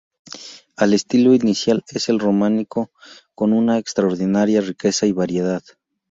El estilo inicial es el románico, con una extraordinaria riqueza y variedad.